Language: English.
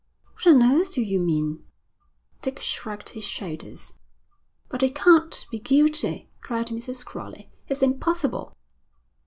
'What on earth do you mean?' Dick shrugged his shoulders. 'But he can't be guilty,' cried Mrs. Crowley. 'It's impossible.'